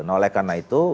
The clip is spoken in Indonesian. nah oleh karena itu